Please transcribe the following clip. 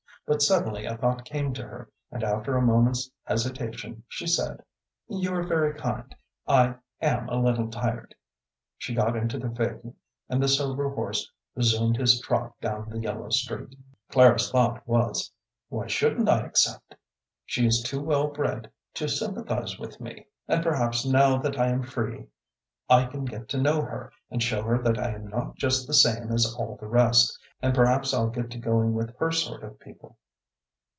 But suddenly a thought came to her, and after a moment's hesitation, she said: "You are very kind. I am a little tired." She got into the phaeton, and the sober horse resumed his trot down the yellow street. Clara's thought was: "Why shouldn't I accept? She is too well bred to sympathize with me, and perhaps, now that I am free, I can get to know her and show her that I am not just the same as all the rest, and perhaps I'll get to going with her sort of people."